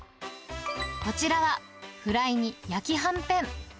こちらはフライに焼きはんぺん。